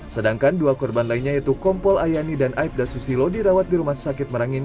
sedangkan dua korban lainnya yaitu kompol ayani dan aibda susilo dirawat di rumah sakit merangin